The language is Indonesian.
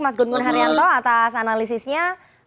mas gun gun haryanto atas analisisnya